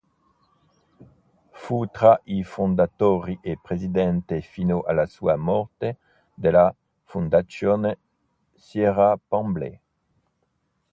Fu tra i fondatori e presidente fino alla sua morte della "Fundación Sierra-Pambley".